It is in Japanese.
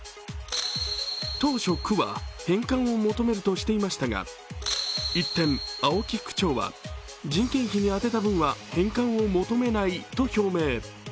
当初、区は返還を求めるとしていましたが、一転、青木区長は人件費に充てた分は返還を求めないと表明。